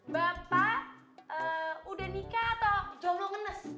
bapak udah nikah atau joblo ngenes